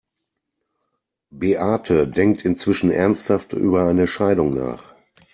Beate denkt inzwischen ernsthaft über eine Scheidung nach.